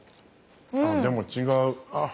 あでも違う。